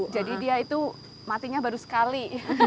jadi dia itu matinya baru sekali